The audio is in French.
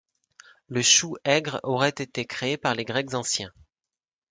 Le chou aigre aurait été créé par les Grecs anciens.